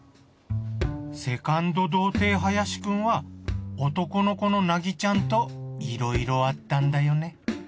セカンド童貞林くんは男の娘の凪ちゃんといろいろあったんだよね